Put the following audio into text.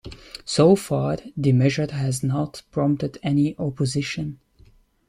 So far, the measure has not prompted any opposition.